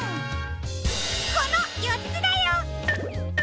このよっつだよ！